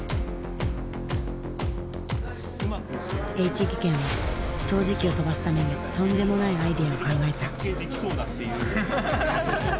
Ｈ技研は掃除機を跳ばすためにとんでもないアイデアを考えた。